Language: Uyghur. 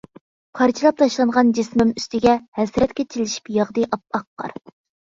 پارچىلاپ تاشلانغان جىسمىم ئۈستىگە، ھەسرەتكە چىلىشىپ ياغدى ئاپئاق قار.